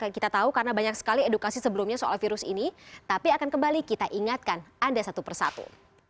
kita tahu karena banyak sekali edukasi sebelumnya soal virus ini tapi akan kembali kita ingatkan anda satu persatu